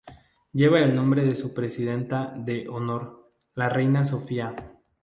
Lleva el nombre de su Presidenta de Honor, la Reina Sofía.